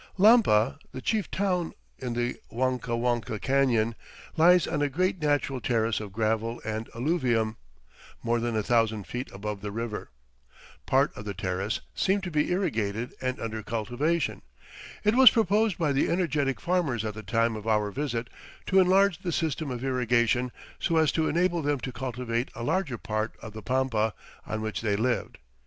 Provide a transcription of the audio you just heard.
Lampa, the chief town in the Huancahuanca Canyon, lies on a great natural terrace of gravel and alluvium more than a thousand feet above the river. Part of the terrace seemed to be irrigated and under cultivation. It was proposed by the energetic farmers at the time of our visit to enlarge the system of irrigation so as to enable them to cultivate a larger part of the pampa on which they lived.